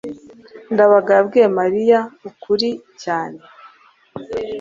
ndabaga yabwiye mariya ukuri cyane